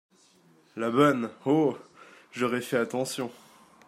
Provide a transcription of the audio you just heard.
La Bonne. — Oh ! j’aurais fait attention.